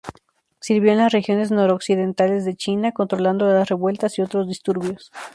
Sirvió en las regiones noroccidentales de China, controlando las revueltas y otros disturbios.